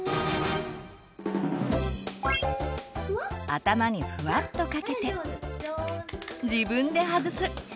頭にふわっとかけて自分ではずす。